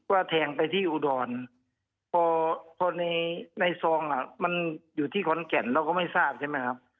แทงไปที่อุดรพอพอในในซองอ่ะมันอยู่ที่ขอนแก่นเราก็ไม่ทราบใช่ไหมครับ